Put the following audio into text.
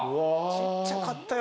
ちっちゃかったよ